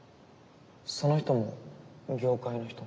その人も業界の人？